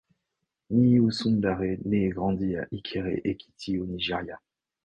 Niyi Osundare naît et grandi à Ikere-Ekiti au Nigeria.